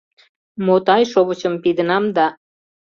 Мотай шовычым пидынам да.